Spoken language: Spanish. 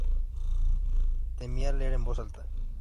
Temía leer en voz alta.